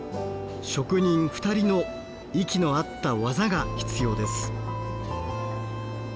職人２人の息の合った技が必要です。